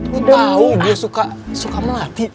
tau dia suka suka melatik